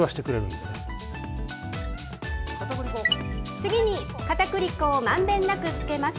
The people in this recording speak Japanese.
次にかたくり粉をまんべんなくつけます。